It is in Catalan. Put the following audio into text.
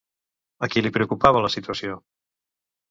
A qui li preocupava la situació?